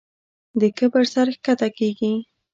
د کبر سر ښکته کېږي.